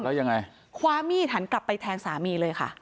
แล้วยังไงคว้ามีดหันกลับไปแทงสามีเลยค่ะ